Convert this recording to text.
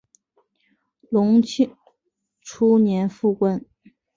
隆庆初年复官。